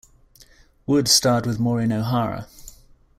Wood starred with Maureen O'Hara.